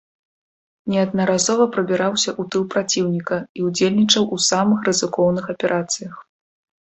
Неаднаразова прабіраўся ў тыл праціўніка і ўдзельнічаў у самых рызыкоўных аперацыях.